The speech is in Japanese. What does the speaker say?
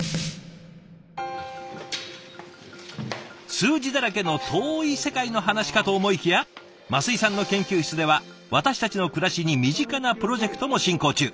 数字だらけの遠い世界の話かと思いきや升井さんの研究室では私たちの暮らしに身近なプロジェクトも進行中。